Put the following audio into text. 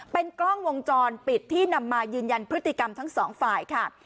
เป็นกล้องวงจรปิดที่นำมายืนยันพฤติกรรมทั้งสองฝ่ายค่ะ